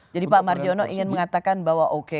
jadi pak mardiono ingin mengatakan bahwa oke